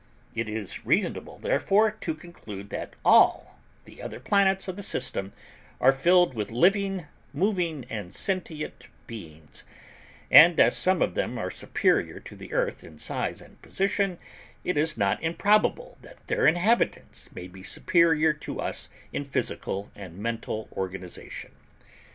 It is reasonable, therefore, to conclude that all the other planets of the system are filled with living, moving and sentient beings; and as some of them are superior to the Earth in size and position, it is not improbable that their inhabitants may be superior to us in physical and mental organization.